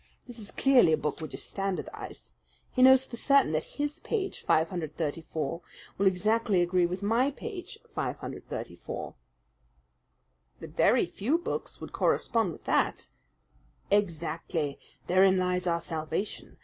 This is clearly a book which is standardized. He knows for certain that his page 534 will exactly agree with my page 534." "But very few books would correspond with that." "Exactly. Therein lies our salvation.